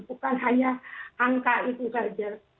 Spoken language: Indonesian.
bukan hanya angka itu saja